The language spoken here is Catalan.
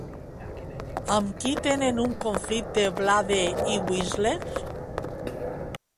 Amb qui tenen un conflicte Blade i Whistler?